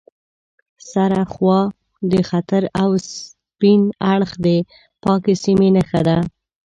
سره خوا د خطر او سپین اړخ د پاکې سیمې نښه ده.